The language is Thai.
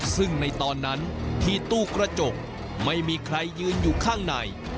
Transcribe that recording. ซึ่งในตอนนั้นที่ตู้กระจกไม่มีใครยืนอยู่ข้างใน